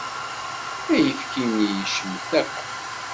Ayefki-nni yecmet akk.